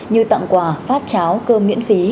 như tặng quà phát cháo cơm miễn phí